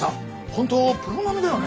本当プロ並みだよねえ。